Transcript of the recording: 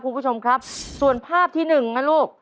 คุณผู้ชมครับส่วนภาพที่หนึ่งนะลูก